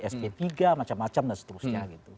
sp tiga macam macam dan seterusnya gitu